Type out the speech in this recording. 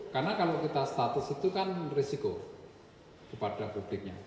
karena kalau kita status itu kan risiko kepada publiknya